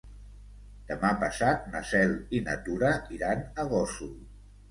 Demà passat na Cel i na Tura iran a Gósol.